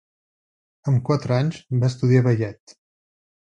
Amb quatre anys va estudiar ballet.